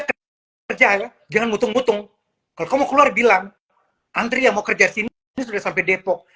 kerja jangan mutung mutung kalau keluar bilang antri yang mau kerja sini sudah sampai depok